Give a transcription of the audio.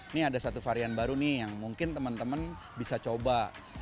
ini ada satu varian baru nih yang mungkin teman teman bisa coba